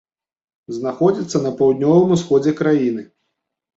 Знаходзіцца на паўднёвым усходзе краіны.